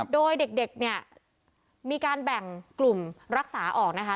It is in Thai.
โดยเด็กเนี่ยมีการแบ่งกลุ่มรักษาออกนะคะ